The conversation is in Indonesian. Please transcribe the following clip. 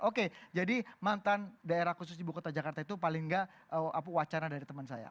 oke jadi mantan daerah khusus ibu kota jakarta itu paling nggak wacana dari teman saya